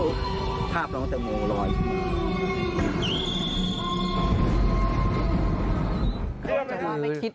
โอ้ตายแล้วภาพร้อมตั้งแต่โมงหล่อย